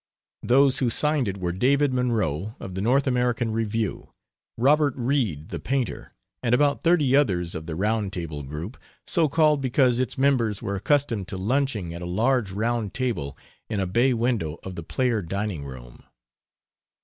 Those who signed it were David Monroe, of the North American Review; Robert Reid, the painter, and about thirty others of the Round Table Group, so called because its members were accustomed to lunching at a large round table in a bay window of the Player dining room.